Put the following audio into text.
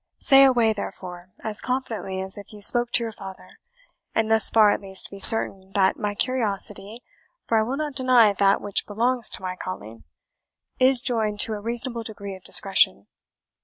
Say away therefore, as confidently as if you spoke to your father; and thus far at least be certain, that my curiosity for I will not deny that which belongs to my calling is joined to a reasonable degree of discretion."